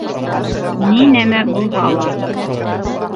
— Ни нәмә булһа ла...